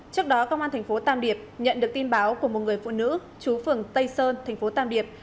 trước đó công an tp tàm điệp nhận được tin báo của một người phụ nữ chú phường tây sơn tp tàm điệp